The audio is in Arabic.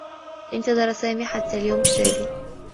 انتظر سامي حتّى اليوم التّالي.